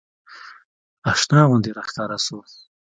اشنا غوندې راښکاره سو.